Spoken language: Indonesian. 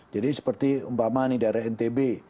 jadi seperti umpama ini daerah ntb